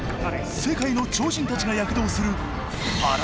世界の超人たちが躍動する